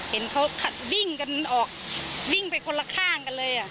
เห็นเขาวิ่งกันออกวิ่งไปคนละข้างกันเลย